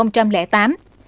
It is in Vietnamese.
bộ năm hai nghìn tám